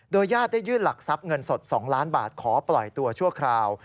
ญาติได้ยื่นหลักทรัพย์เงินสด๒ล้านบาทขอปล่อยตัวชั่วคราว